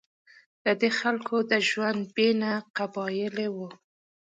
د دې خلکو د ژوند بڼه قبایلي وه.